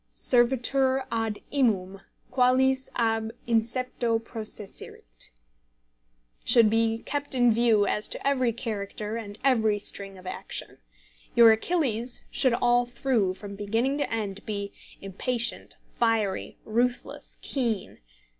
"Servetur ad imum Qualis ab incepto processerit," should be kept in view as to every character and every string of action. Your Achilles should all through, from beginning to end, be "impatient, fiery, ruthless, keen."